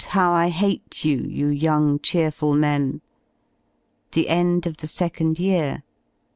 how I hate you, you young cheerful men ! §The end of the second year.